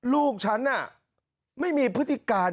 ลูกฉันไม่มีพฤติการ